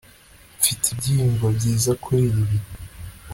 mfite ibyiyumvo byiza kuri ibi